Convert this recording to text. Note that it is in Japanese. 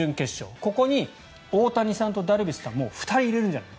ここに大谷さんとダルビッシュさん２人を入れるんじゃないか。